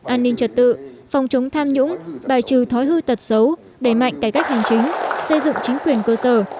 an ninh trật tự phòng chống tham nhũng bài trừ thói hư tật xấu đẩy mạnh cải cách hành chính xây dựng chính quyền cơ sở